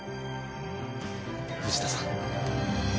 藤田さん。